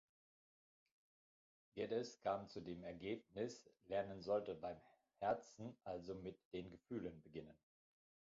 Geddes kam zu dem Ergebnis, Lernen sollte beim Herzen, also mit den Gefühlen, beginnen.